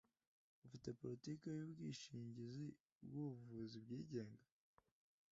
Ufite politiki yubwishingizi bwubuvuzi bwigenga?